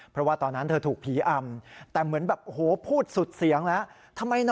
เพราะว่าตอนนั้นเธอถูกผีอำ